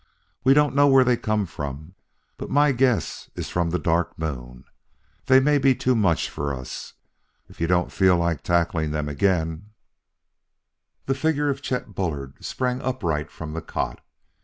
"We don't know where they come from, but my guess is from the Dark Moon. They may be too much for us.... If you don't feel like tackling them again " The figure of Chet Bullard sprang upright from the cot.